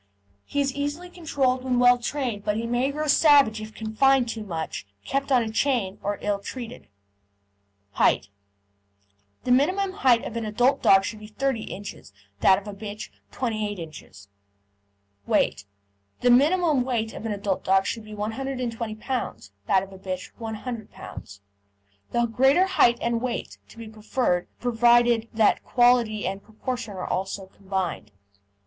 He is easily controlled when well trained, but he may grow savage if confined too much, kept on chain, or ill treated. HEIGHT The minimum height of an adult dog should be 30 ins.; that of a bitch, 28 ins. WEIGHT The minimum weight of an adult dog should be 120 lbs.; that of a bitch, 100 lbs. The greater height and weight to be preferred, provided that quality and proportion are also combined.